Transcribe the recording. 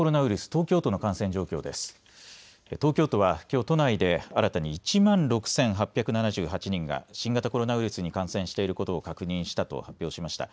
東京都はきょう、都内で新たに１万６８７８人が新型コロナウイルスに感染していることを確認したと発表しました。